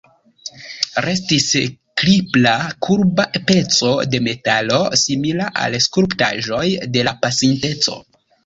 Restis kripla kurba peco de metalo, simila al skulptaĵoj de la pasinteco.